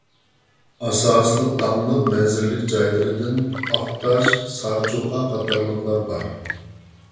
ئاساسلىق داڭلىق مەنزىرىلىك جايلىرىدىن ئاقتاش، سارچوقا قاتارلىقلار بار.